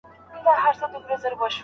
آیا ګرمي اوبه تر سړو اوبو ژر هضمېږي؟